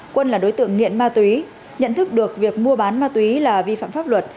quân là đối tượng nghiện ma túy nhận thức được việc mua bán ma túy là vi phạm pháp luật